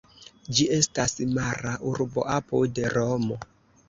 Ĝi estas mara urbo apud Romo.